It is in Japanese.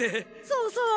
そうそう。